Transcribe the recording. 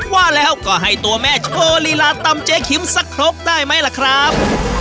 ว่าแล้วก็ให้ตัวแม่โชว์ลีลาตำเจ๊คิมสักครบได้ไหมล่ะครับ